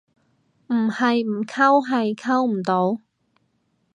唔係唔溝，係溝唔到